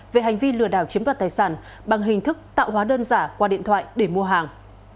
về hành vi lừa đảo chiếm đoạt tài sản bằng hình thức tạo hóa đơn giả qua điện thoại để mua hàng